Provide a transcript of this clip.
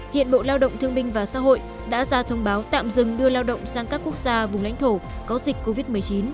hiện bộ lao động thương minh và xã hội đã ra thông báo tạm dừng đưa lao động sang các quốc gia vùng lãnh thổ có dịch covid một mươi chín